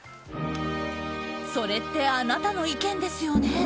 それってあなたの意見ですよね？